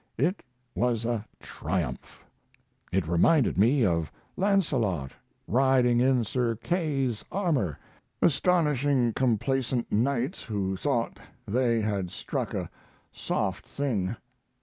It was a triumph. It reminded me of Lancelot riding in Sir Kay's armor, astonishing complacent knights who thought they had struck a soft thing.